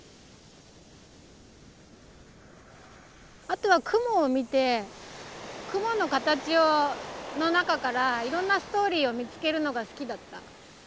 あとは雲を見て雲の形の中からいろんなストーリーを見つけるのが好きだった。